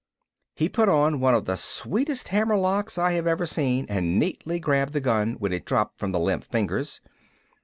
He put on one of the sweetest hammer locks I have ever seen and neatly grabbed the gun when it dropped from the limp fingers.